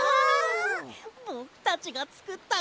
ぼくたちがつくったかんむり！